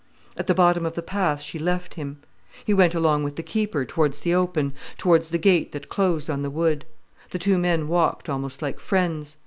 At the bottom of the path she left him. He went along with the keeper, towards the open, towards the gate that closed on the wood. The two men walked almost like friends.